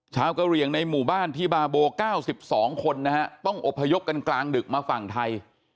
กะเหลี่ยงในหมู่บ้านที่บาโบ๙๒คนนะฮะต้องอบพยพกันกลางดึกมาฝั่งไทย